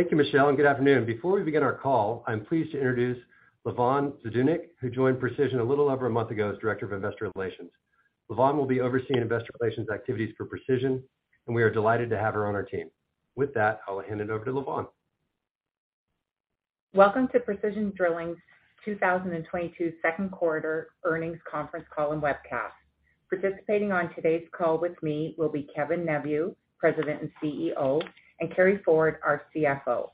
Thank you, Michelle, and good afternoon. Before we begin our call, I'm pleased to introduce Lavonne Zdunich, who joined Precision a little over a month ago as Director of Investor Relations. Lavonne will be overseeing investor relations activities for Precision, and we are delighted to have her on our team. With that, I'll hand it over to Lavonne. Welcome to Precision Drilling's 2022 second quarter earnings conference call and webcast. Participating on today's call with me will be Kevin Neveu, President and CEO, and Carey Ford, our CFO.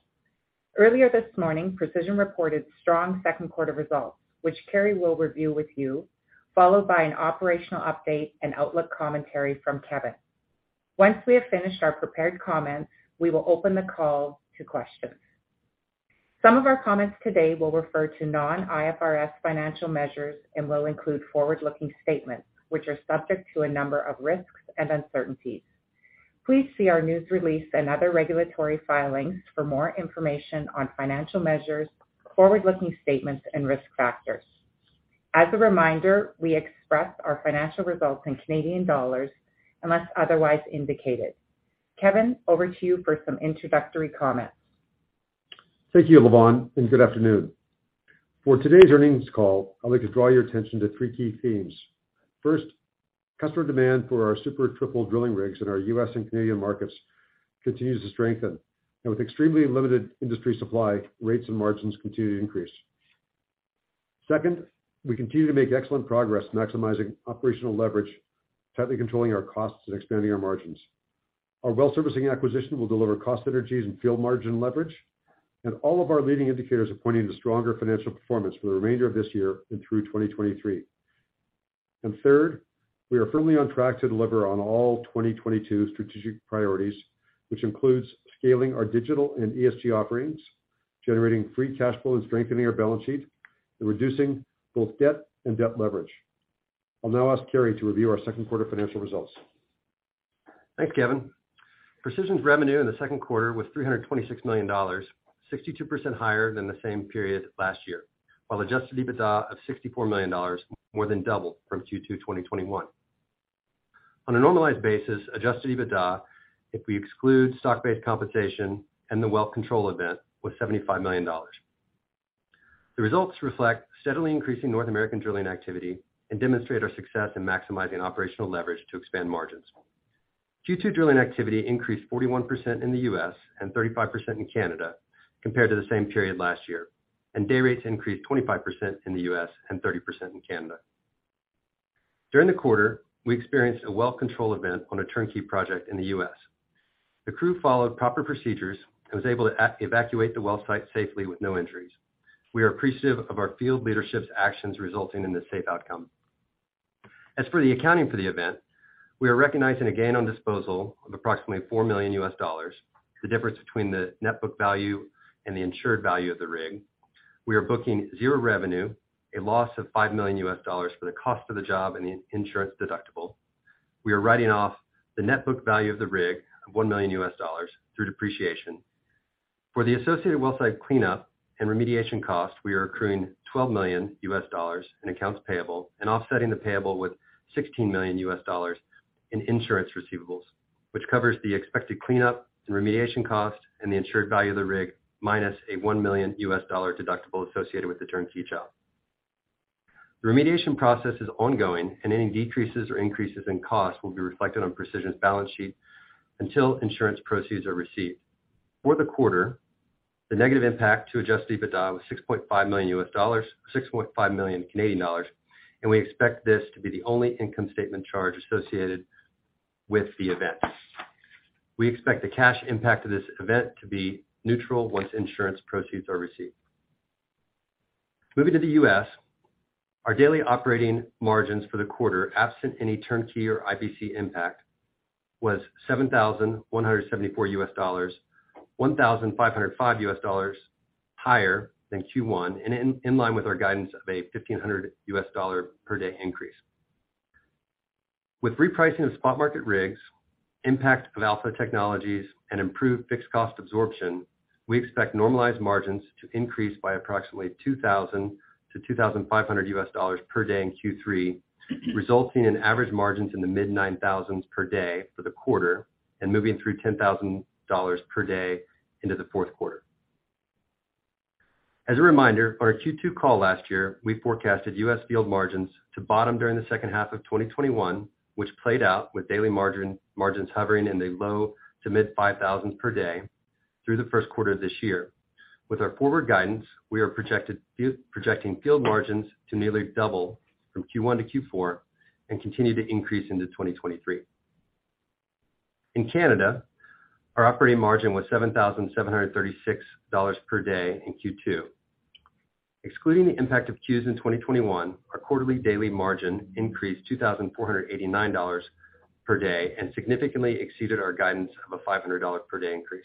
Earlier this morning, Precision reported strong second quarter results, which Carey will review with you, followed by an operational update and outlook commentary from Kevin. Once we have finished our prepared comments, we will open the call to questions. Some of our comments today will refer to non-IFRS financial measures and will include forward-looking statements, which are subject to a number of risks and uncertainties. Please see our news release and other regulatory filings for more information on financial measures, forward-looking statements, and risk factors. As a reminder, we express our financial results in Canadian dollars unless otherwise indicated. Kevin, over to you for some introductory comments. Thank you, Lavonne, and good afternoon. For today's earnings call, I'd like to draw your attention to three key themes. First, customer demand for our Super Triple drilling rigs in our U.S. and Canadian markets continues to strengthen. With extremely limited industry supply, rates and margins continue to increase. Second, we continue to make excellent progress maximizing operational leverage, tightly controlling our costs, and expanding our margins. Our well servicing acquisition will deliver cost synergies and field margin leverage, and all of our leading indicators are pointing to stronger financial performance for the remainder of this year and through 2023. Third, we are firmly on track to deliver on all 2022 strategic priorities, which includes scaling our digital and ESG offerings, generating free cash flow and strengthening our balance sheet, and reducing both debt and debt leverage. I'll now ask Carey to review our second quarter financial results. Thanks, Kevin. Precision's revenue in the second quarter was 326 million dollars, 62% higher than the same period last year. While Adjusted EBITDA of 64 million dollars more than doubled from Q2 2021. On a normalized basis, Adjusted EBITDA, if we exclude stock-based compensation and the well control event, was 75 million dollars. The results reflect steadily increasing North American drilling activity and demonstrate our success in maximizing operational leverage to expand margins. Q2 drilling activity increased 41% in the U.S. and 35% in Canada compared to the same period last year, and day rates increased 25% in the U.S. and 30% in Canada. During the quarter, we experienced a well control event on a turnkey project in the U.S. The crew followed proper procedures and was able to evacuate the well site safely with no injuries. We are appreciative of our field leadership's actions resulting in this safe outcome. As for the accounting for the event, we are recognizing a gain on disposal of approximately $4 million, the difference between the net book value and the insured value of the rig. We are booking zero revenue, a loss of $5 million for the cost of the job and the insurance deductible. We are writing off the net book value of the rig of $1 million through depreciation. For the associated well site cleanup and remediation cost, we are accruing $12 million in accounts payable and offsetting the payable with $16 million in insurance receivables, which covers the expected cleanup and remediation cost and the insured value of the rig, minus a $1 million deductible associated with the turnkey job. The remediation process is ongoing and any decreases or increases in costs will be reflected on Precision's balance sheet until insurance proceeds are received. For the quarter, the negative impact to Adjusted EBITDA was $6.5 million, 6.5 million Canadian dollars, and we expect this to be the only income statement charge associated with the event. We expect the cash impact of this event to be neutral once insurance proceeds are received. Moving to the U.S., our daily operating margins for the quarter, absent any turnkey or IBC impact, was $7,174, $1,505 higher than Q1, and in line with our guidance of a $1,500 per day increase. With repricing of spot market rigs, impact of Alpha Technologies, and improved fixed cost absorption, we expect normalized margins to increase by approximately $2,000-$2,500 per day in Q3, resulting in average margins in the mid-$9,000s per day for the quarter and moving through $10,000 per day into the fourth quarter. As a reminder, on our Q2 call last year, we forecasted U.S. field margins to bottom during the second half of 2021, which played out with daily margins hovering in the low-to-mid $5,000s per day through the first quarter of this year. With our forward guidance, we are projecting field margins to nearly double from Q1 to Q4 and continue to increase into 2023. In Canada, our operating margin was 7,736 dollars per day in Q2. Excluding the impact of CEWS in 2021, our quarterly daily margin increased 2,489 dollars per day and significantly exceeded our guidance of a 500 dollar per day increase.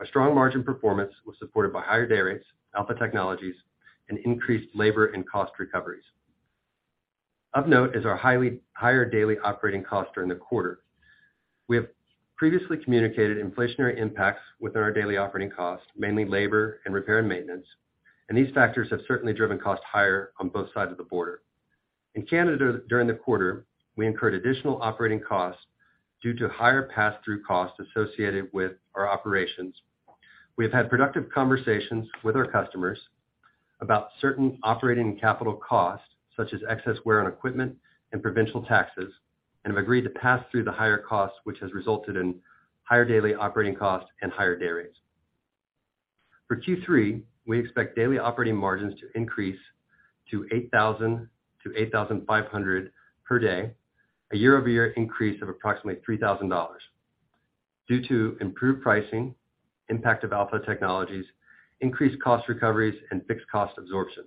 Our strong margin performance was supported by higher day rates, Alpha Technologies, and increased labor and cost recoveries. Of note is our higher daily operating cost during the quarter. We have previously communicated inflationary impacts within our daily operating costs, mainly labor and repair and maintenance, and these factors have certainly driven costs higher on both sides of the border. In Canada during the quarter, we incurred additional operating costs due to higher pass-through costs associated with our operations. We have had productive conversations with our customers about certain operating capital costs, such as excess wear on equipment and provincial taxes, and have agreed to pass through the higher costs, which has resulted in higher daily operating costs and higher day rates. For Q3, we expect daily operating margins to increase to 8,000-8,500 per day, a year-over-year increase of approximately 3,000 dollars due to improved pricing, impact of Alpha Technologies, increased cost recoveries, and fixed cost absorption.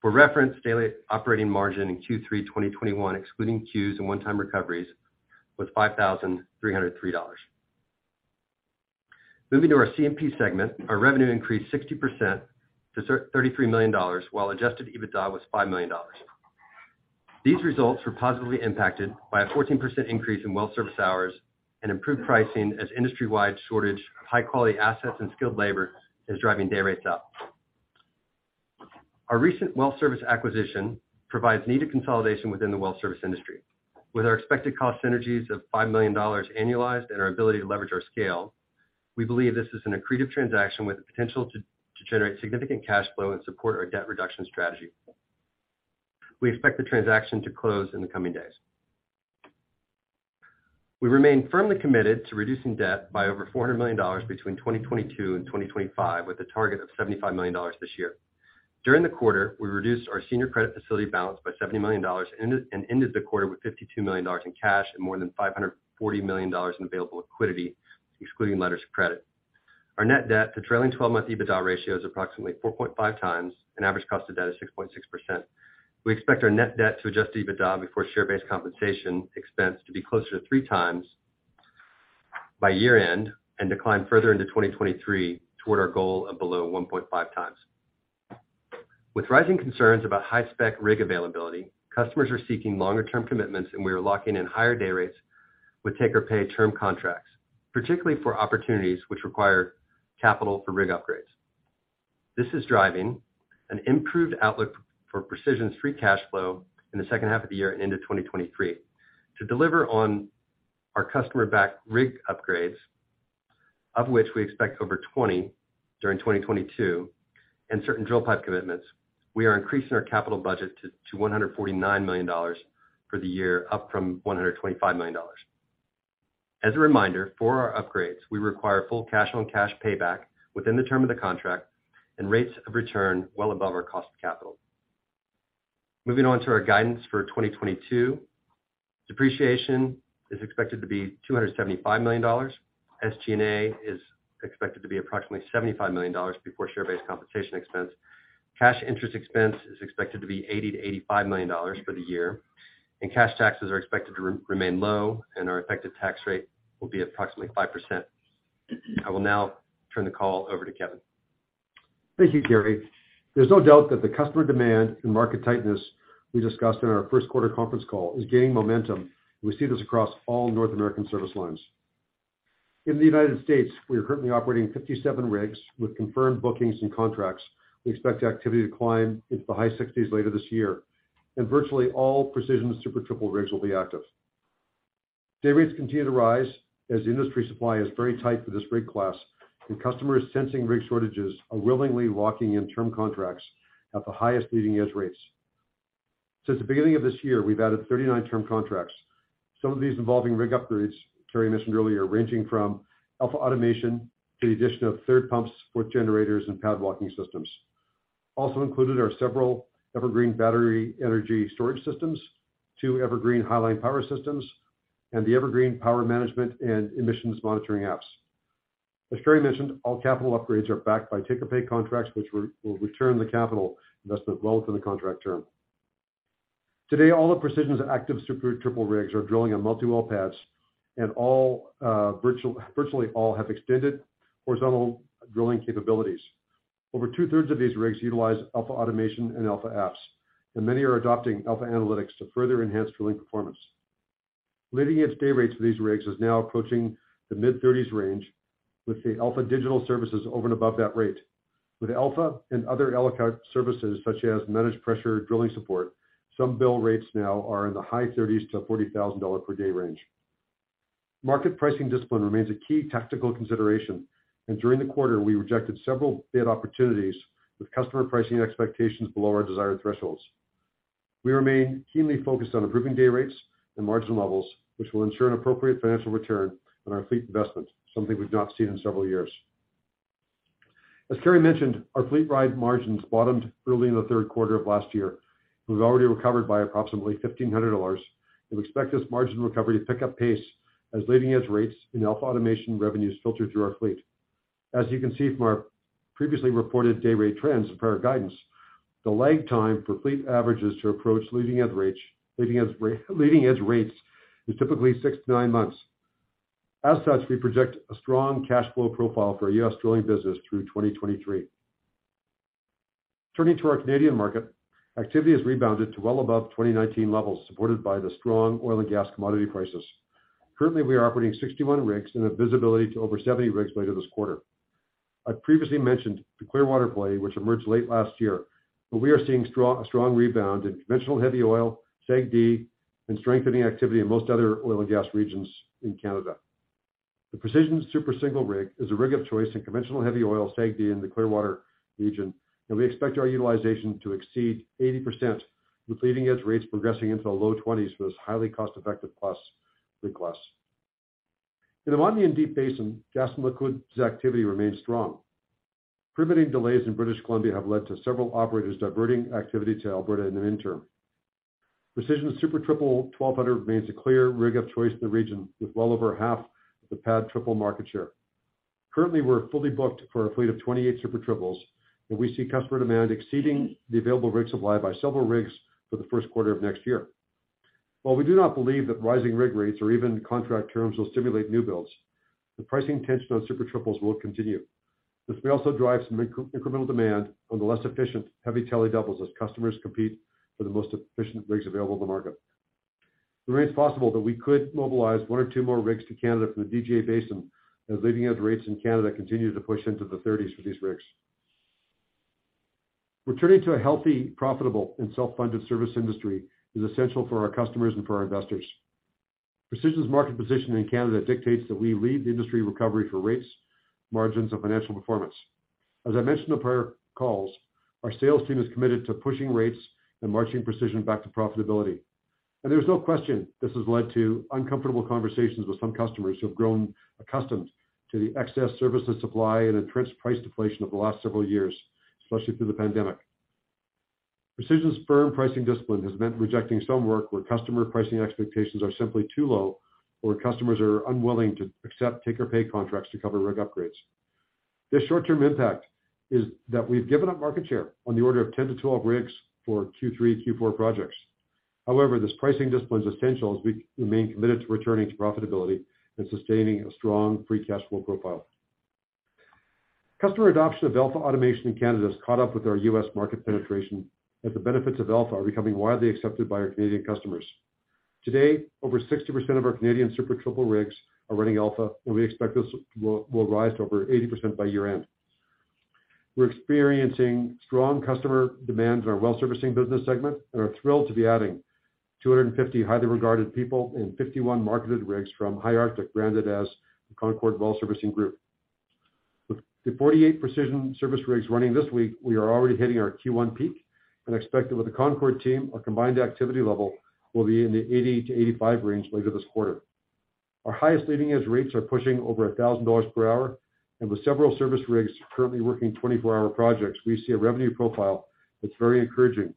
For reference, daily operating margin in Q3 2021, excluding CEWS and one-time recoveries, was 5,303 dollars. Moving to our Completion and Production Services segment. Our revenue increased 60% to 33 million dollars, while Adjusted EBITDA was 5 million dollars. These results were positively impacted by a 14% increase in well service hours and improved pricing as industry-wide shortage of high-quality assets and skilled labor is driving day rates up. Our recent well service acquisition provides needed consolidation within the well service industry. With our expected cost synergies of 5 million dollars annualized and our ability to leverage our scale, we believe this is an accretive transaction with the potential to generate significant cash flow and support our debt reduction strategy. We expect the transaction to close in the coming days. We remain firmly committed to reducing debt by over 400 million dollars between 2022 and 2025, with a target of 75 million dollars this year. During the quarter, we reduced our senior credit facility balance by 70 million dollars and ended the quarter with 52 million dollars in cash and more than 540 million dollars in available liquidity, excluding letters of credit. Our net debt to trailing twelve-month EBITDA ratio is approximately 4.5 times, and average cost of debt is 6.6%. We expect our net debt to adjusted EBITDA before share-based compensation expense to be closer to 3 times by year-end and decline further into 2023 toward our goal of below 1.5 times. With rising concerns about high-spec rig availability, customers are seeking longer-term commitments, and we are locking in higher day rates with take-or-pay term contracts, particularly for opportunities which require capital for rig upgrades. This is driving an improved outlook for Precision's free cash flow in the second half of the year and into 2023. To deliver on our customer-backed rig upgrades, of which we expect over 20 during 2022 and certain drill pipe commitments, we are increasing our capital budget to 149 million dollars for the year, up from 125 million dollars. As a reminder, for our upgrades, we require full cash-on-cash payback within the term of the contract and rates of return well above our cost of capital. Moving on to our guidance for 2022. Depreciation is expected to be 275 million dollars. SG&A is expected to be approximately 75 million dollars before share-based compensation expense. Cash interest expense is expected to be 80 million–85 million dollars for the year, and cash taxes are expected to remain low, and our effective tax rate will be approximately 5%. I will now turn the call over to Kevin. Thank you, Carey. There's no doubt that the customer demand and market tightness we discussed in our first quarter conference call is gaining momentum, and we see this across all North American service lines. In the United States, we are currently operating 57 rigs with confirmed bookings and contracts. We expect activity to climb into the high 60s later this year, and virtually all Precision Super Triple rigs will be active. Day rates continue to rise as industry supply is very tight for this rig class, and customers sensing rig shortages are willingly locking in term contracts at the highest leading edge rates. Since the beginning of this year, we've added 39 term contracts, some of these involving rig upgrades Carey mentioned earlier, ranging from Alpha Automation to the addition of third pumps, fourth generators, and pad walking systems. Also included are several EverGreen battery energy storage systems, 2 EverGreen HighLine power systems, and the EverGreen power management and emissions monitoring apps. As Carey mentioned, all capital upgrades are backed by take-or-pay contracts, which will return the capital investment well within the contract term. Today, all of Precision's active Super Triple rigs are drilling on multi-well pads and all, virtually all have extended horizontal drilling capabilities. Over two-thirds of these rigs utilize Alpha automation and Alpha apps, and many are adopting Alpha analytics to further enhance drilling performance. Leading-edge day rates for these rigs is now approaching the mid-30s range, with the Alpha digital services over and above that rate. With Alpha and other a la carte services, such as Managed Pressure Drilling support, some bill rates now are in the high 30s to $40,000 per day range. Market pricing discipline remains a key tactical consideration, and during the quarter, we rejected several bid opportunities with customer pricing expectations below our desired thresholds. We remain keenly focused on improving day rates and margin levels, which will ensure an appropriate financial return on our fleet investment, something we've not seen in several years. As Carey mentioned, our fleet-wide margins bottomed early in the third quarter of last year and have already recovered by approximately 1,500 dollars. We expect this margin recovery to pick up pace as leading edge rates and Alpha automation revenues filter through our fleet. As you can see from our previously reported day rate trends and prior guidance, the lag time for fleet averages to approach leading edge rates is typically 6–9 months. As such, we project a strong cash flow profile for our U.S. drilling business through 2023. Turning to our Canadian market. Activity has rebounded to well above 2019 levels, supported by the strong oil and gas commodity prices. Currently, we are operating 61 rigs and have visibility to over 70 rigs later this quarter. I previously mentioned the Clearwater play, which emerged late last year, but we are seeing strong rebound in conventional heavy oil, SAGD, and strengthening activity in most other oil and gas regions in Canada. The Precision Super Single rig is a rig of choice in conventional heavy oil, SAGD in the Clearwater region, and we expect our utilization to exceed 80% with leading edge rates progressing into the low 20s for this highly cost-effective rig class. In the Montney and Deep Basin, gas and liquids activity remains strong. Permitting delays in British Columbia have led to several operators diverting activity to Alberta in the interim. Precision's Super Triple 1200 remains a clear rig of choice in the region, with well over half of the pad triple market share. Currently, we're fully booked for a fleet of 28 Super Triples, and we see customer demand exceeding the available rig supply by several rigs for the first quarter of next year. While we do not believe that rising rig rates or even contract terms will stimulate new builds, the pricing tension on Super Triples will continue. This may also drive some incremental demand on the less efficient heavy duty doubles as customers compete for the most efficient rigs available on the market. It remains possible that we could mobilize one or two more rigs to Canada from the DJ Basin as leading edge rates in Canada continue to push into the thirties for these rigs. Returning to a healthy, profitable, and self-funded service industry is essential for our customers and for our investors. Precision's market position in Canada dictates that we lead the industry recovery for rates, margins, and financial performance. As I mentioned on prior calls, our sales team is committed to pushing rates and marching Precision back to profitability. There's no question this has led to uncomfortable conversations with some customers who have grown accustomed to the excess services supply and entrenched price deflation of the last several years, especially through the pandemic. Precision's firm pricing discipline has meant rejecting some work where customer pricing expectations are simply too low, or customers are unwilling to accept take-or-pay contracts to cover rig upgrades. The short-term impact is that we've given up market share on the order of 10-12 rigs for Q3, Q4 projects. However, this pricing discipline is essential as we remain committed to returning to profitability and sustaining a strong free cash flow profile. Customer adoption of Alpha automation in Canada has caught up with our U.S. market penetration, as the benefits of Alpha are becoming widely accepted by our Canadian customers. Today, over 60% of our Canadian Super Triple rigs are running Alpha, and we expect this will rise to over 80% by year-end. We're experiencing strong customer demand in our well servicing business segment and are thrilled to be adding 250 highly regarded people and 51 marketed rigs from High Arctic, branded as the Concord Well Servicing Group. With the 48 Precision service rigs running this week, we are already hitting our Q1 peak and expect that with the Concord team, our combined activity level will be in the 80-85 range later this quarter. Our highest leading edge rates are pushing over 1,000 dollars per hour, and with several service rigs currently working 24-hour projects, we see a revenue profile that's very encouraging.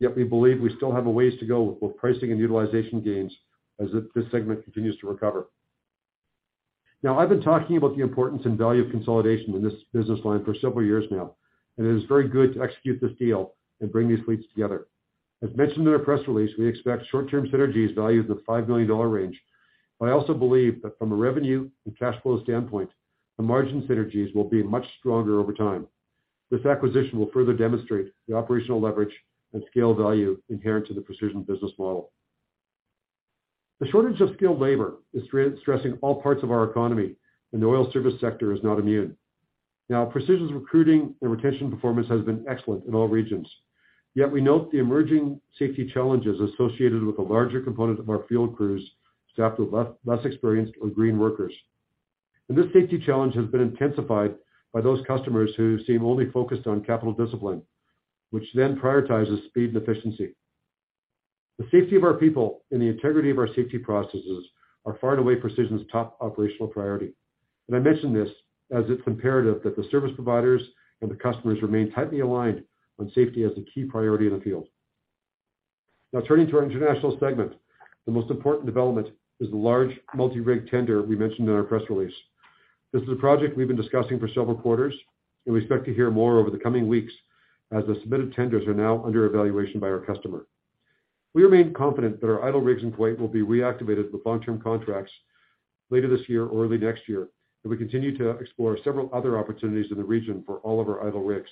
Yet we believe we still have a ways to go with both pricing and utilization gains as this segment continues to recover. I've been talking about the importance and value of consolidation in this business line for several years now, and it is very good to execute this deal and bring these fleets together. As mentioned in our press release, we expect short-term synergies valued in the 5 million dollar range, but I also believe that from a revenue and cash flow standpoint, the margin synergies will be much stronger over time. This acquisition will further demonstrate the operational leverage and scale value inherent to the Precision business model. The shortage of skilled labor is stressing all parts of our economy, and the oil service sector is not immune. Precision's recruiting and retention performance has been excellent in all regions. Yet we note the emerging safety challenges associated with a larger component of our field crews staffed with less experienced or green workers. This safety challenge has been intensified by those customers who seem only focused on capital discipline, which then prioritizes speed and efficiency. The safety of our people and the integrity of our safety processes are far and away Precision's top operational priority, and I mention this as it's imperative that the service providers and the customers remain tightly aligned on safety as a key priority in the field. Now turning to our international segment, the most important development is the large multi-rig tender we mentioned in our press release. This is a project we've been discussing for several quarters, and we expect to hear more over the coming weeks as the submitted tenders are now under evaluation by our customer. We remain confident that our idle rigs in Kuwait will be reactivated with long-term contracts later this year or early next year, and we continue to explore several other opportunities in the region for all of our idle rigs.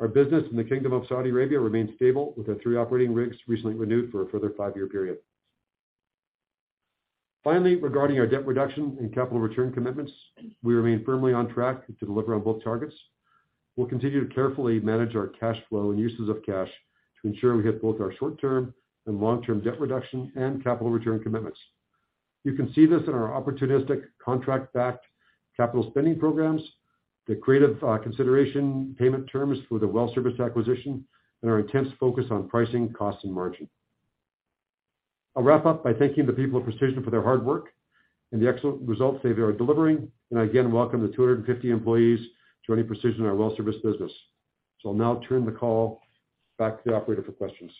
Our business in the Kingdom of Saudi Arabia remains stable, with our three operating rigs recently renewed for a further five-year period. Finally, regarding our debt reduction and capital return commitments, we remain firmly on track to deliver on both targets. We'll continue to carefully manage our cash flow and uses of cash to ensure we hit both our short-term and long-term debt reduction and capital return commitments. You can see this in our opportunistic contract-backed capital spending programs, the creative consideration payment terms for the well service acquisition, and our intense focus on pricing, cost, and margin. I'll wrap up by thanking the people of Precision for their hard work and the excellent results they are delivering, and I again welcome the 250 employees joining Precision in our well service business. I'll now turn the call back to the operator for questions.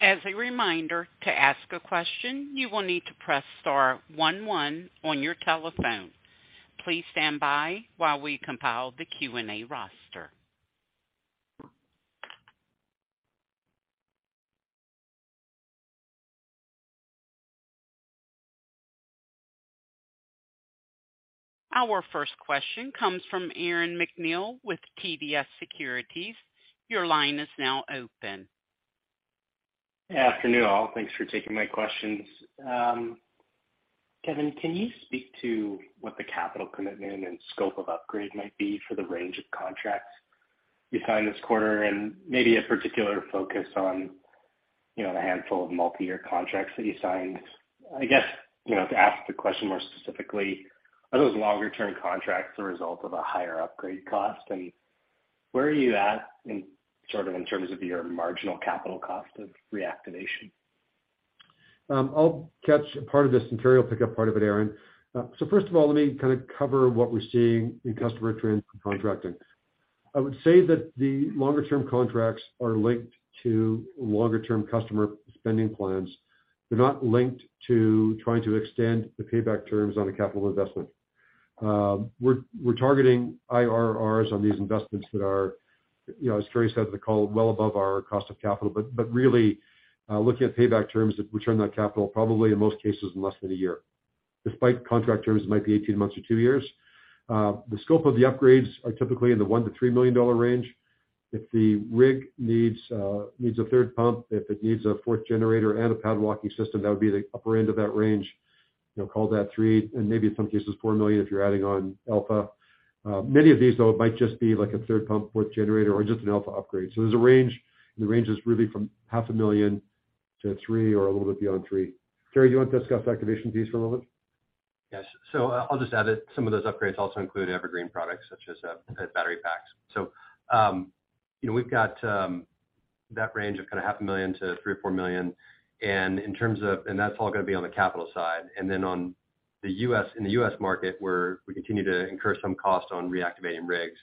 As a reminder, to ask a question, you will need to press star one one on your telephone. Please stand by while we compile the Q&A roster. Our first question comes from Aaron MacNeil with TD Securities. Your line is now open. Yeah, afternoon, all. Thanks for taking my questions. Kevin, can you speak to what the capital commitment and scope of upgrade might be for the range of contracts you signed this quarter, and maybe a particular focus on, you know, the handful of multi-year contracts that you signed? I guess, you know, to ask the question more specifically, are those longer term contracts a result of a higher upgrade cost? Where are you at in, sort of in terms of your marginal capital cost of reactivation? I'll catch part of this and Carey will pick up part of it, Aaron. First of all, let me kind of cover what we're seeing in customer trends and contracting. I would say that the longer term contracts are linked to longer-term customer spending plans. They're not linked to trying to extend the payback terms on a capital investment. We're targeting IRRs on these investments that are, you know, as Carey said in the call, well above our cost of capital, but really looking at payback terms that return that capital probably in most cases in less than a year, despite contract terms might be 18 months or 2 years. The scope of the upgrades are typically in the 1 million–3 million dollar range. If the rig needs a third pump, if it needs a fourth generator and a pad walking system, that would be the upper end of that range. You know, call that 3 million and maybe in some cases 4 million if you're adding on Alpha. Many of these, though, it might just be like a third pump, fourth generator, or just an Alpha upgrade. There's a range, and the range is really from CAD half a million to 3 million or a little bit beyond 3 million. Carey, do you want to discuss activation fees for a moment? Yes. I'll just add that some of those upgrades also include EverGreen products such as battery packs. You know, we've got that range of kind of CAD half a million to 3 or 4 million. That's all going to be on the capital side. In the U.S. market, where we continue to incur some costs on reactivating rigs,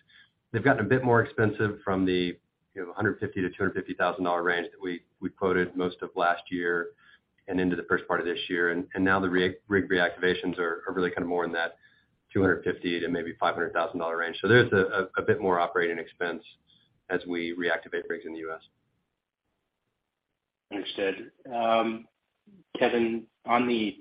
they've gotten a bit more expensive from the, you know, a $150,000–$250,000 range that we quoted most of last year and into the first part of this year. Now the rig reactivations are really kind of more in that $250,000 to maybe $500,000 range. There's a bit more operating expense as we reactivate rigs in the U.S. Understood. Kevin, on the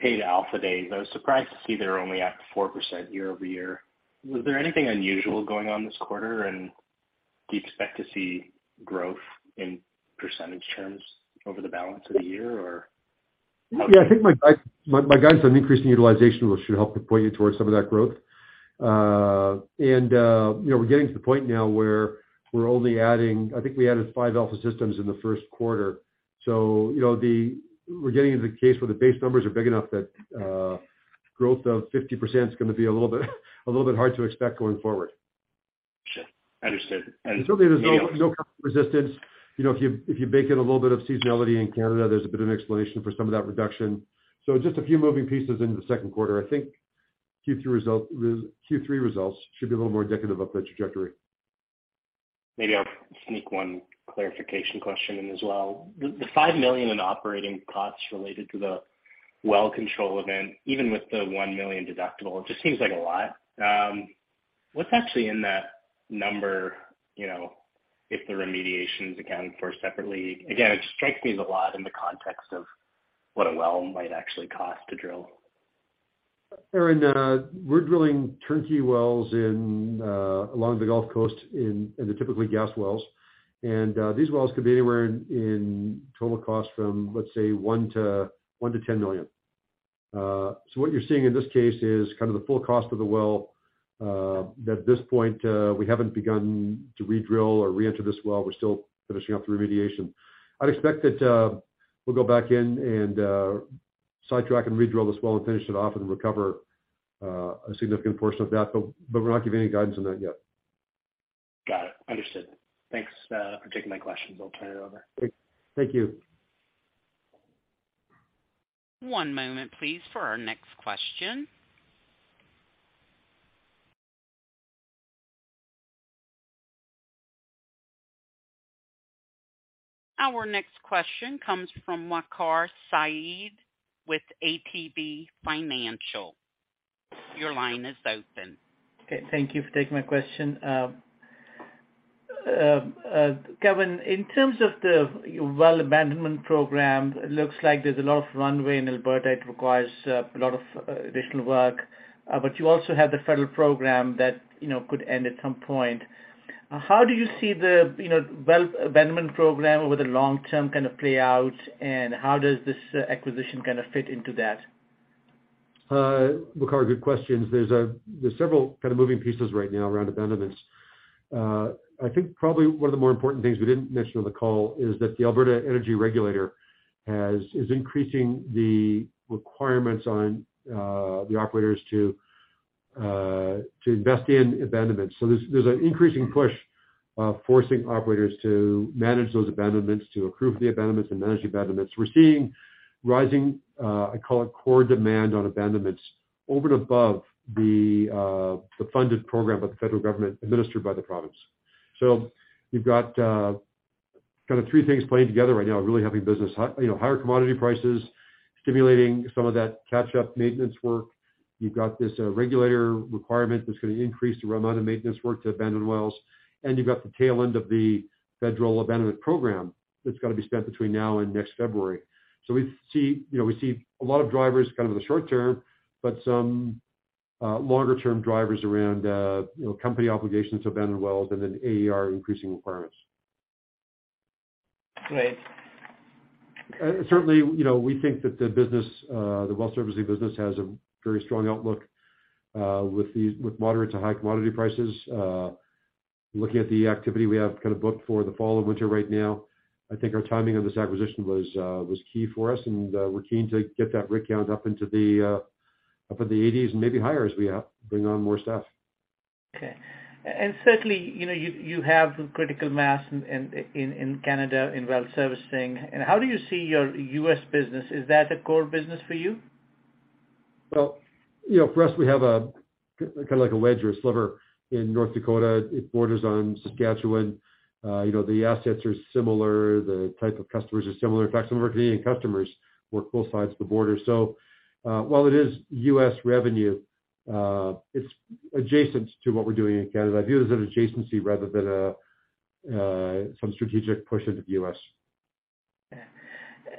paid Alpha days, I was surprised to see they're only at 4% year-over-year. Was there anything unusual going on this quarter? Do you expect to see growth in percentage terms over the balance of the year or Yeah, I think my guidance on increasing utilization should help to point you towards some of that growth. You know, we're getting to the point now where I think we added five Alpha systems in the first quarter. You know, we're getting into the case where the base numbers are big enough that growth of 50% is going to be a little bit hard to expect going forward. Sure. Understood. Certainly, there's no resistance. You know, if you bake in a little bit of seasonality in Canada, there's a bit of an explanation for some of that reduction. Just a few moving pieces into the second quarter. I think Q2 Q3 results should be a little more indicative of the trajectory. Maybe I'll sneak one clarification question in as well. The 5 million in operating costs related to the well control event, even with the 1 million deductible, it just seems like a lot. What's actually in that number, you know, if the remediations accounted for separately? Again, it strikes me as a lot in the context of what a well might actually cost to drill. Aaron, we're drilling turnkey wells in along the Gulf Coast in the typically gas wells. These wells could be anywhere in total cost from, let's say, $1 million–$10 million. What you're seeing in this case is kind of the full cost of the well. At this point, we haven't begun to re-drill or reenter this well. We're still finishing up the remediation. I'd expect that we'll go back in and sidetrack and re-drill this well and finish it off and recover a significant portion of that, but we're not giving any guidance on that yet. Got it. Understood. Thanks for taking my questions. I'll turn it over. Thank you. One moment, please, for our next question. Our next question comes from Waqar Syed with ATB Financial. Your line is open. Okay. Thank you for taking my question. Kevin, in terms of the well abandonment program, it looks like there's a lot of runway in Alberta. It requires a lot of additional work, but you also have the federal program that, you know, could end at some point. How do you see the, you know, well abandonment program over the long term kind of play out, and how does this acquisition kind of fit into that? Waqar, good questions. There's several kind of moving pieces right now around abandonments. I think probably one of the more important things we didn't mention on the call is that the Alberta Energy Regulator is increasing the requirements on the operators to invest in abandonments. There's an increasing push forcing operators to manage those abandonments, to approve the abandonments and manage the abandonments. We're seeing rising, I call it, core demand on abandonments over and above the funded program by the federal government administered by the province. You've got kind of three things playing together right now, really helping business. High, you know, higher commodity prices stimulating some of that catch-up maintenance work. You've got this regulator requirement that's going to increase the amount of maintenance work to abandoned wells. You've got the tail end of the federal abandonment program that's got to be spent between now and next February. We see, you know, a lot of drivers kind of in the short term, but some longer term drivers around, you know, company obligations to abandon wells and then AER increasing requirements. Great. Certainly, you know, we think that the business, the well servicing business has a very strong outlook, with moderate to high commodity prices. Looking at the activity we have kind of booked for the fall and winter right now, I think our timing on this acquisition was key for us, and we're keen to get that rig count up into the 80s and maybe higher as we bring on more staff. Okay. Certainly, you know, you have critical mass in Canada in well servicing. How do you see your U.S. business? Is that a core business for you? Well, you know, for us, we have a kind of like a wedge or a sliver in North Dakota. It borders on Saskatchewan. You know, the assets are similar, the type of customers are similar. In fact, some of our Canadian customers work both sides of the border. So, while it is U.S. revenue, it's adjacent to what we're doing in Canada. I view it as an adjacency rather than some strategic push into the U.S.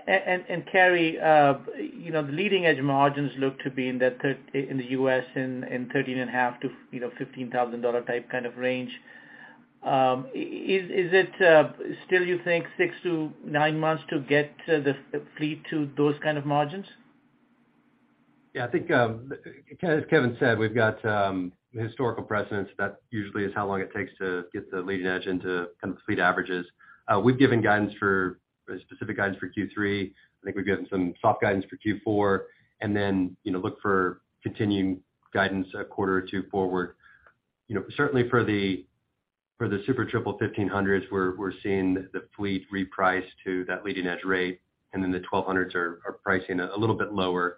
Yeah. Carey, you know, the leading edge margins look to be in the U.S. in 13,500 to, you know, $15,000 dollar type kind of range. Is it still you think 6–9 months to get the fleet to those kind of margins? Yeah, I think, as Kevin said, we've got historical precedence. That usually is how long it takes to get the leading edge into kind of fleet averages. We've given specific guidance for Q3. I think we've given some soft guidance for Q4, and then, you know, look for continuing guidance a quarter or two forward. You know, certainly for the super triple fifteen hundreds, we're seeing the fleet reprice to that leading edge rate, and then the twelve hundreds are pricing a little bit lower.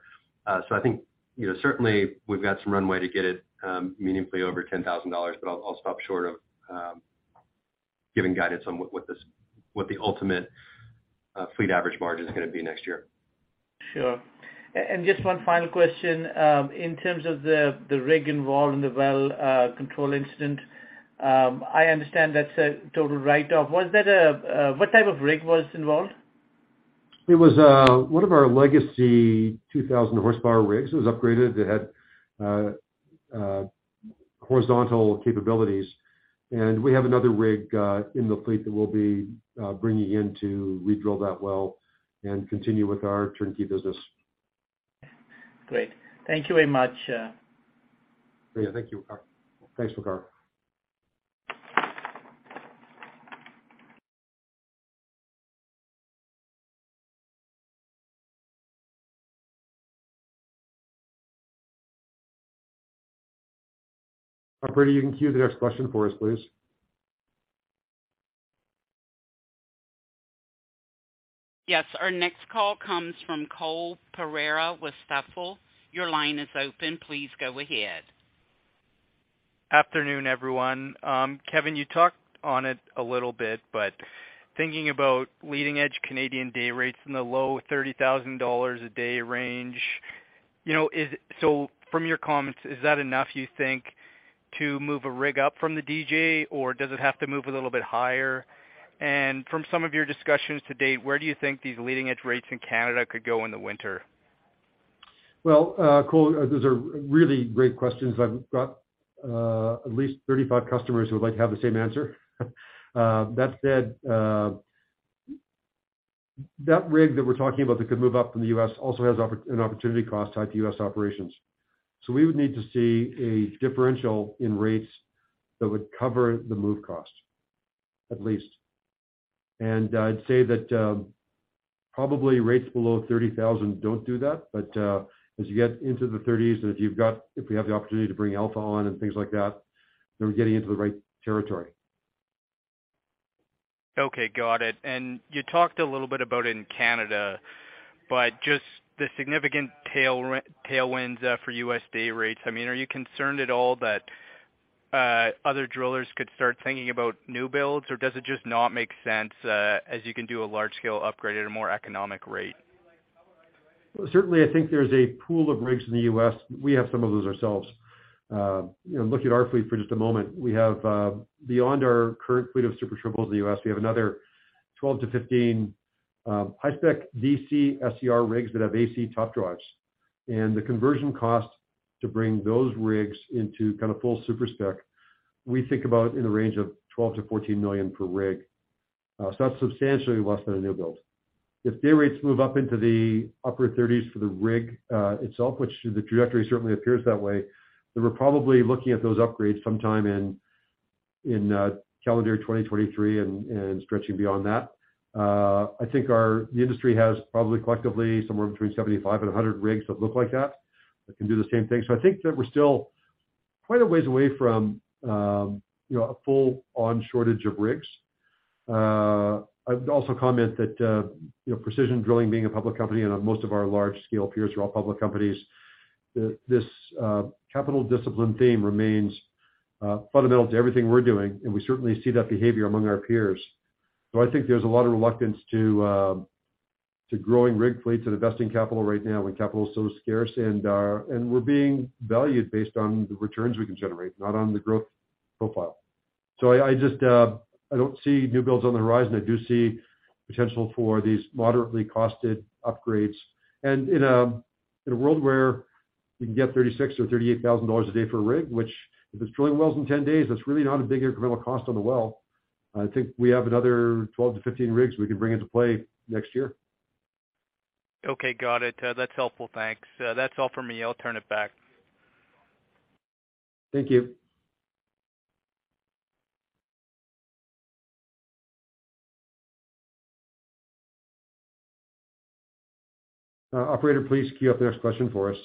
So I think, you know, certainly we've got some runway to get it meaningfully over 10,000 dollars, but I'll stop short of giving guidance on what the ultimate fleet average margin is going to be next year. Sure. Just one final question. In terms of the rig involved in the well control incident, I understand that's a total write-off. What type of rig was involved? It was one of our legacy 2000 horsepower rigs. It was upgraded. It had horizontal capabilities. We have another rig in the fleet that we'll be bringing in to re-drill that well and continue with our turnkey business. Great. Thank you very much. Yeah, thank you, Waqar Syed. Thanks, Waqar Syed. Operator, you can queue the next question for us, please. Yes, our next call comes from Cole Pereira with Stifel. Your line is open. Please go ahead. Afternoon, everyone. Kevin, you talked on it a little bit, but thinking about leading edge Canadian day rates in the low 30,000 dollars a day range, you know, from your comments, is that enough you think to move a rig up from the DJ, or does it have to move a little bit higher? From some of your discussions to date, where do you think these leading edge rates in Canada could go in the winter? Well, Cole, those are really great questions. I've got at least 35 customers who would like to have the same answer. That said, that rig that we're talking about that could move up in the U.S. also has an opportunity cost tied to U.S. operations. We would need to see a differential in rates that would cover the move cost, at least. I'd say that probably rates below $30,000 don't do that. As you get into the $30,000s and if we have the opportunity to bring Alpha on and things like that, then we're getting into the right territory. Okay. Got it. You talked a little bit about in Canada, but just the significant tailwinds for U.S. day rates. I mean, are you concerned at all that other drillers could start thinking about new builds, or does it just not make sense as you can do a large scale upgrade at a more economic rate? Well, certainly, I think there's a pool of rigs in the U.S. We have some of those ourselves. You know, looking at our fleet for just a moment, we have, beyond our current fleet of Super Triples in the U.S., we have another 12-15 high-spec DC SCR rigs that have AC top drives. The conversion cost to bring those rigs into kind of full super-spec, we think about in the range of 12 million–14 million per rig. So that's substantially less than a new build. If day rates move up into the upper 30s for the rig itself, which the trajectory certainly appears that way, then we're probably looking at those upgrades sometime in calendar 2023 and stretching beyond that. I think the industry has probably collectively somewhere between 75 and 100 rigs that look like that can do the same thing. I think that we're still quite a ways away from, you know, a full on shortage of rigs. I'd also comment that, you know, Precision Drilling being a public company and most of our large scale peers are all public companies, this, capital discipline theme remains, fundamental to everything we're doing, and we certainly see that behavior among our peers. I think there's a lot of reluctance to growing rig fleets and investing capital right now when capital is so scarce and we're being valued based on the returns we can generate, not on the growth profile. I just don't see new builds on the horizon. I do see potential for these moderately costed upgrades. In a world where you can get 36,000–38,000 dollars a day for a rig, which if it's drilling wells in 10 days, that's really not a big incremental cost on the well. I think we have another 12–15 rigs we can bring into play next year. Okay, got it. That's helpful. Thanks. That's all for me. I'll turn it back. Thank you. Operator, please queue up the next question for us.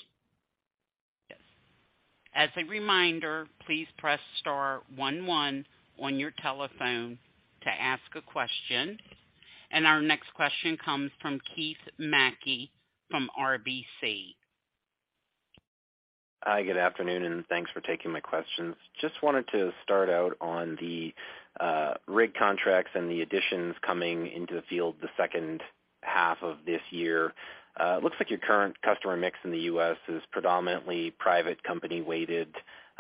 Yes. As a reminder, please press star one one on your telephone to ask a question. Our next question comes from Keith MacKey from RBC. Hi, good afternoon, and thanks for taking my questions. Just wanted to start out on the rig contracts and the additions coming into the field the second half of this year. It looks like your current customer mix in the U.S. is predominantly private company-weighted,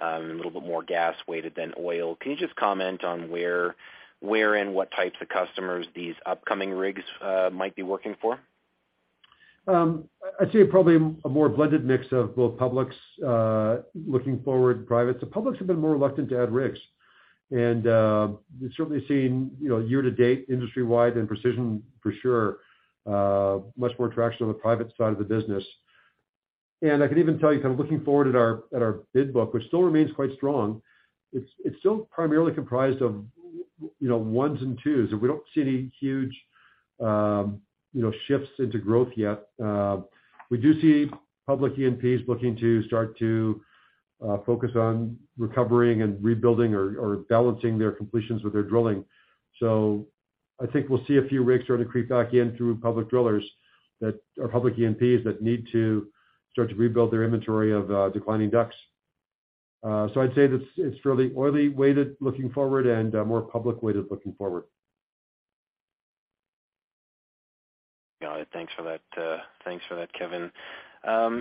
a little bit more gas-weighted than oil. Can you just comment on where and what types of customers these upcoming rigs might be working for? I'd say probably a more blended mix of both publics, looking forward privates. The publics have been more reluctant to add rigs, and we've certainly seen, you know, year to date, industry-wide and Precision for sure, much more traction on the private side of the business. I can even tell you kind of looking forward at our bid book, which still remains quite strong. It's still primarily comprised of, you know, ones and twos, and we don't see any huge, you know, shifts into growth yet. We do see public E&Ps looking to start to focus on recovering and rebuilding or balancing their completions with their drilling. I think we'll see a few rigs starting to creep back in through public drillers that are public E&Ps that need to start to rebuild their inventory of declining DUCs. I'd say that it's fairly oil-weighted looking forward and more public-weighted looking forward. Got it. Thanks for that. Thanks for that, Kevin.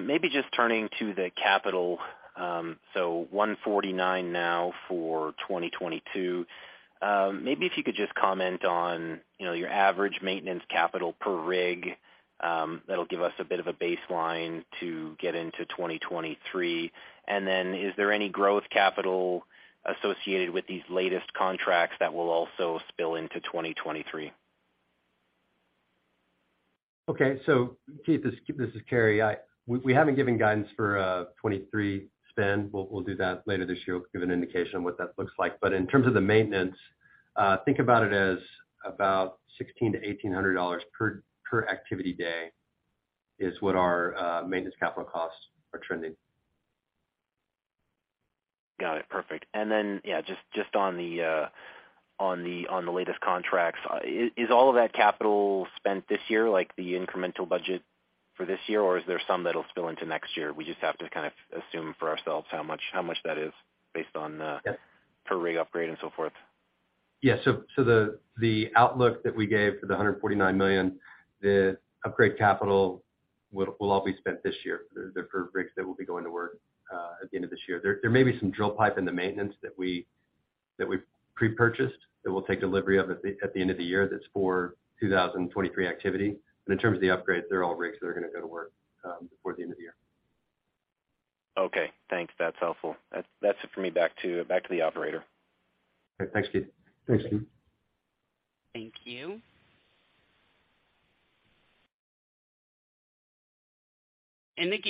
Maybe just turning to the capital, so 149 now for 2022. Maybe if you could just comment on, you know, your average maintenance capital per rig, that'll give us a bit of a baseline to get into 2023. Is there any growth capital associated with these latest contracts that will also spill into 2023? Okay. Keith, this is Carey. We haven't given guidance for 2023 spend. We'll do that later this year. We'll give an indication of what that looks like. In terms of the maintenance, think about it as about 1,600–1,800 dollars per activity day is what our maintenance capital costs are trending. Got it. Perfect. Then, yeah, just on the latest contracts, is all of that capital spent this year, like the incremental budget for this year? Or is there some that'll spill into next year? We just have to kind of assume for ourselves how much that is based on, Yeah. per rig upgrade and so forth. Yeah. The outlook that we gave for the 149 million, the upgrade capital will all be spent this year for rigs that will be going to work at the end of this year. There may be some drill pipe and the maintenance that we've pre-purchased, that we'll take delivery of at the end of the year that's for 2023 activity. In terms of the upgrades, they're all rigs that are going to go to work before the end of the year. Okay, thanks. That's helpful. That's it for me. Back to the operator. Okay, thanks, Keith. Thanks, Keith.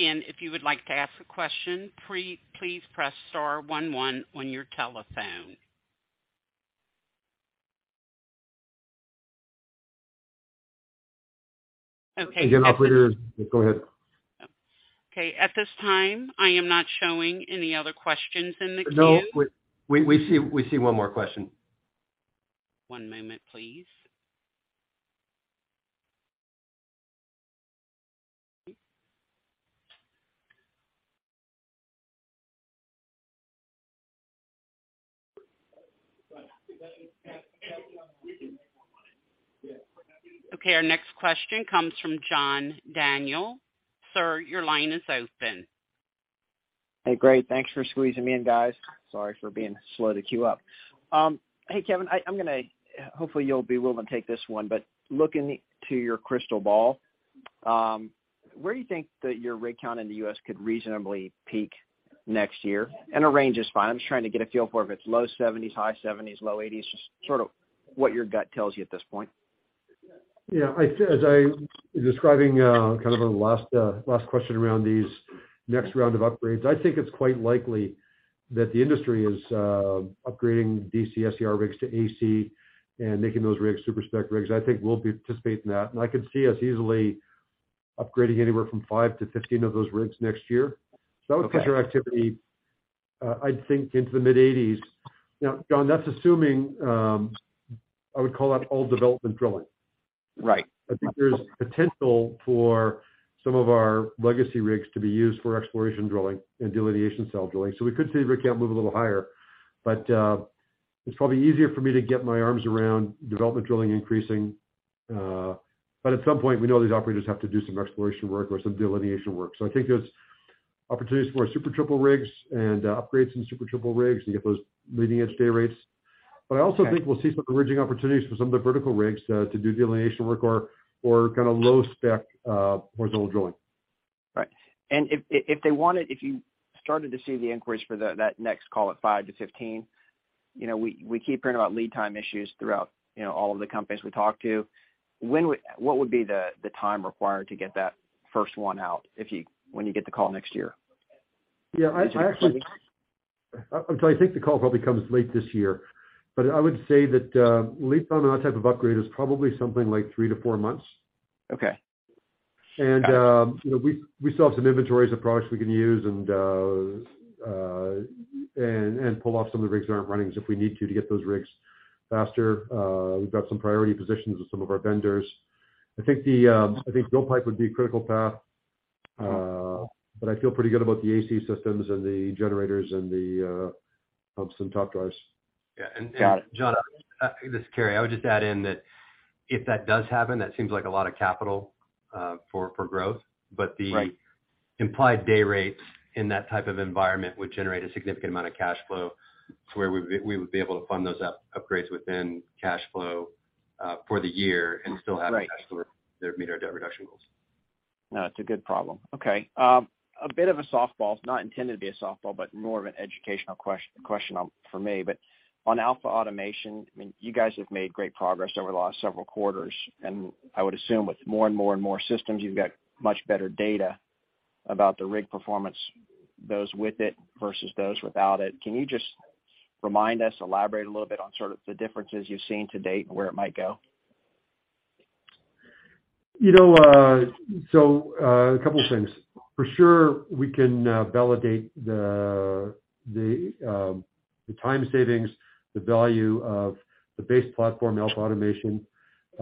Thank you. Again, if you would like to ask a question, please press star one one on your telephone. Okay. Again, operator. Go ahead. Okay. At this time, I am not showing any other questions in the queue. No. We see one more question. One moment, please. Okay. Our next question comes from John Daniel. Sir, your line is open. Hey, great. Thanks for squeezing me in, guys. Sorry for being slow to queue up. Hey, Kevin, hopefully you'll be willing to take this one. Looking to your crystal ball, where do you think that your rig count in the U.S. could reasonably peak next year? A range is fine. I'm just trying to get a feel for if it's low 70s, high 70s, low 80s, just sort of what your gut tells you at this point. Yeah, as I was describing, kind of on the last question around these next round of upgrades, I think it's quite likely that the industry is upgrading DC SCR rigs to AC and making those rigs super-spec rigs. I think we'll be participating in that. I could see us easily upgrading anywhere from 5–15 of those rigs next year. Okay. That would put your activity, I'd think, into the mid-80s. Now, John, that's assuming I would call that all development drilling. Right. I think there's potential for some of our legacy rigs to be used for exploration drilling and delineation well drilling. We could see the rig count move a little higher. It's probably easier for me to get my arms around development drilling increasing. At some point, we know these operators have to do some exploration work or some delineation work. I think there's opportunities for our Super Triple rigs and upgrades in Super Triple rigs to get those leading edge day rates. I also think we'll see some rig opportunities for some of the vertical rigs to do delineation work or kind of low-spec horizontal drilling. Right. If they wanted, if you started to see the inquiries for that next call at 5-15, you know, we keep hearing about lead time issues throughout, you know, all of the companies we talk to. What would be the time required to get that first one out when you get the call next year? Yeah. I actually Is it two weeks? I think the call probably comes late this year, but I would say that lead time on that type of upgrade is probably something like 3–4 months. Okay. Got it. You know, we still have some inventories of products we can use and pull off some of the rigs that aren't running if we need to get those rigs faster. We've got some priority positions with some of our vendors. I think drill pipe would be critical path, but I feel pretty good about the AC systems and the generators and the pumps and top drives. Yeah. John. John, this is Carey Ford. I would just add in that if that does happen, that seems like a lot of capital, for growth. Right. The implied day rates in that type of environment would generate a significant amount of cash flow to where we would be able to fund those upgrades within cash flow, for the year and still have. Right enough cash flow to meet our debt reduction goals. No, it's a good problem. Okay, a bit of a softball. It's not intended to be a softball, but more of an educational question, one for me. On Alpha Automation, I mean, you guys have made great progress over the last several quarters, and I would assume with more and more systems, you've got much better data about the rig performance, those with it versus those without it. Can you just remind us, elaborate a little bit on sort of the differences you've seen to date and where it might go? You know, a couple things. For sure, we can validate the time savings, the value of the base platform Alpha Automation.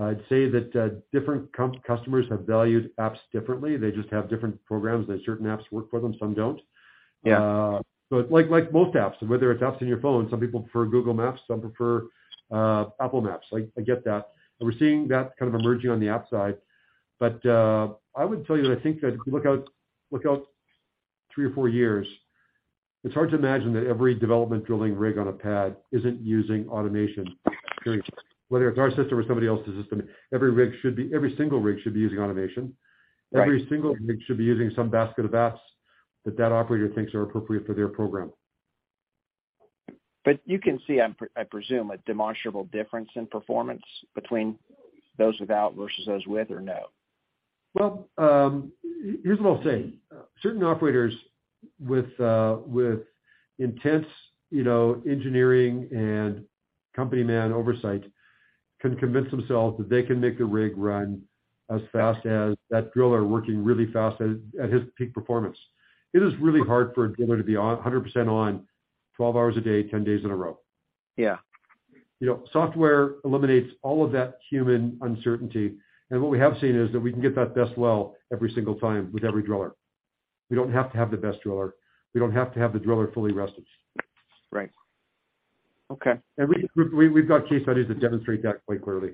I'd say that different customers have valued apps differently. They just have different programs that certain apps work for them, some don't. Yeah. Like most apps, whether it's apps on your phone, some people prefer Google Maps, some prefer Apple Maps. I get that. We're seeing that kind of emerging on the app side. I would tell you that I think that if you look out three or four years, it's hard to imagine that every development drilling rig on a pad isn't using automation, period. Whether it's our system or somebody else's system, every single rig should be using automation. Right. Every single rig should be using some basket of apps that operator thinks are appropriate for their program. You can see, I presume, a demonstrable difference in performance between those without versus those with or no? Well, here's what I'll say. Certain operators with intense, you know, engineering and company man oversight can convince themselves that they can make the rig run as fast as that driller working really fast at his peak performance. It is really hard for a driller to be on 100% on 12 hours a day, 10 days in a row. Yeah. You know, software eliminates all of that human uncertainty. What we have seen is that we can get that best well every single time with every driller. We don't have to have the best driller. We don't have to have the driller fully rested. Right. Okay. We've got case studies that demonstrate that quite clearly.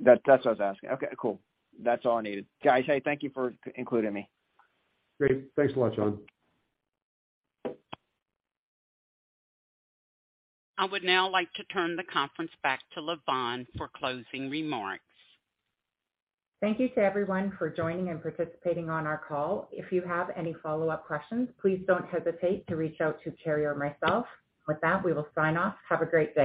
That, that's what I was asking. Okay, cool. That's all I needed. Guys, hey, thank you for including me. Great. Thanks a lot, John. I would now like to turn the conference back to Lavonne for closing remarks. Thank you to everyone for joining and participating on our call. If you have any follow-up questions, please don't hesitate to reach out to Carey or myself. With that, we will sign off. Have a great day.